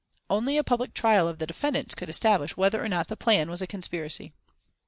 Only a public trial of the defendants could establish whether or not the plan was a conspiracy.